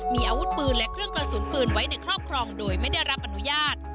มีอาวุธปืนและเครื่องกระสุนปืนไว้ในครอบครองโดยไม่ได้รับอนุญาต